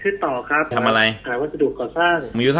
ชื่อต่อครับอาวุธธิ์ดูกก่อสร้างคือ๓๘ครับผม